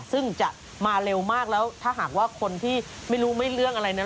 ซึ่งจะมาเร็วมากแล้วถ้าหากว่าคนที่ไม่รู้ไม่เรื่องอะไรนะ